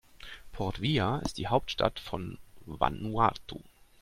Port Vila ist die Hauptstadt von Vanuatu.